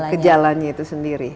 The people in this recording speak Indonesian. kejalannya itu sendiri